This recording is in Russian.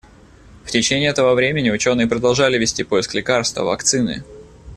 В течение этого времени ученые продолжали вести поиск лекарства, вакцины.